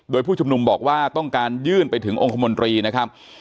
โดยผู้ชุมนุมบอกว่าต้องการยื่นไปถึงองค์คมนตรีนะครับ